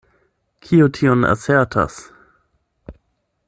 Kiu tion asertas?